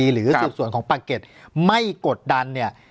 หรือสืบสวนของปากเก็ตไม่กดดันเนี่ย